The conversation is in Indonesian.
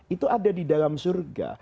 itu ada di dalam surga